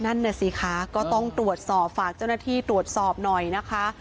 นั่นน่ะสิคะก็ต้องตรวจสอบฝากเจ้าหน้าที่ตรวจสอบหน่อยนะคะ